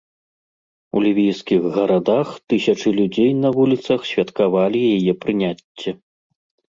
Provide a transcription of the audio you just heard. У лівійскіх гарадах тысячы людзей на вуліцах святкавалі яе прыняцце.